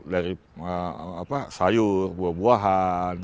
dari sayur buah buahan